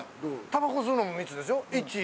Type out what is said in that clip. タバコ吸うのも３つでしょ？